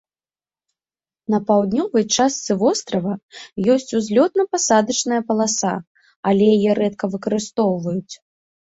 На паўднёвай частцы вострава ёсць узлётна-пасадачная паласа, але яе рэдка выкарыстоўваюць.